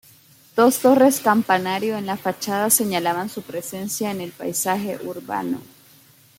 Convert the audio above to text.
Dos torres campanario en la fachada señalaban su presencia en el paisaje urbano.